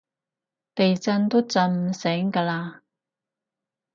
地震都震唔醒㗎喇